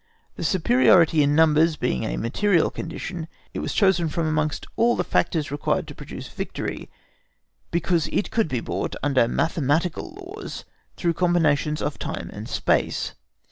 The superiority in numbers being a material condition, it was chosen from amongst all the factors required to produce victory, because it could be brought under mathematical laws through combinations of time and space.